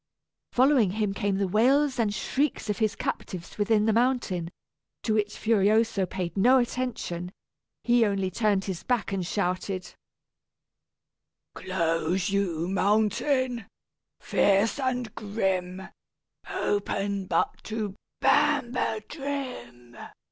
Following him came the wails and shrieks of his captives within the mountain, to which Furioso paid no attention; he only turned his back and shouted: "Close you, mountain, fierce and grim, Open but to Banbedrim!"